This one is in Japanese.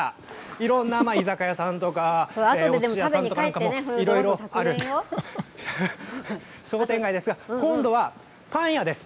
いろんな居酒屋さんとか、おすし屋さんとか、いろいろある商店街ですが、今度はパン屋です。